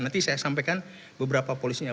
nanti saya sampaikan beberapa policy nya